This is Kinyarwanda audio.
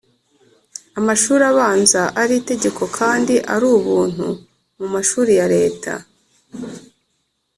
amashuri abanza ari itegeko kandi ari ubuntu mu mashuri ya Leta